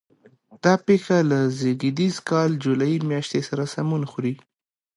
دا پېښه له زېږدیز کال جولای میاشتې سره سمون خوري.